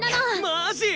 マジ！？